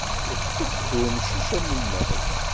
Yeṭṭef-d umcic amumad.